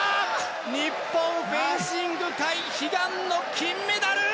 日本フェンシング界、悲願の金メダル。